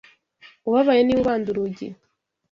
Ubabaye niwe ubanda urugi